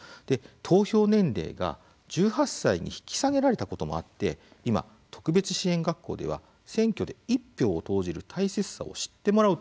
投票年齢が１８歳に引き下げられたこともあって今特別支援学校では選挙で一票を投じる大切さを知ってもらう取り組みというのが広がっています。